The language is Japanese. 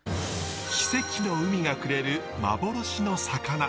奇跡の海がくれる幻の魚。